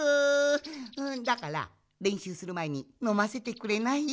だかられんしゅうするまえにのませてくれない？